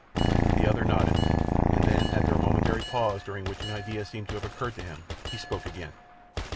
The other nodded, and then after a momentary pause, during which an idea seemed to have occurred to him, he spoke again.